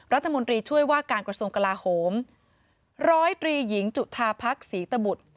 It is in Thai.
รัฐมนตรีช่วยว่าการกระทรวงกลาโหมร้อยตรีหญิงจุธาพักศรีตบุตร